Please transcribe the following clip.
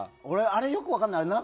俺、あれよく分かんない。